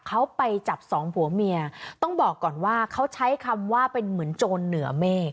เขาไปจับสองผัวเมียต้องบอกก่อนว่าเขาใช้คำว่าเป็นเหมือนโจรเหนือเมฆ